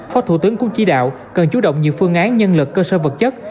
phó thủ tướng cũng chỉ đạo cần chú động nhiều phương án nhân lực cơ sở vật chất